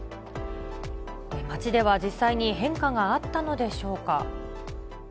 街では実際に、変化があったのでしょうか。